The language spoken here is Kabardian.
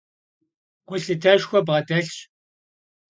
Gulhıteşşxue bğedelhş.